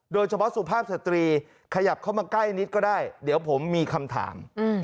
โดยเฉพาะสุภาพสตรีขยับเข้ามาใกล้นิดก็ได้เดี๋ยวผมมีคำถาม